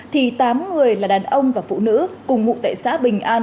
thì tám người là đàn ông và phụ nữ cùng ngụ tại xã bình an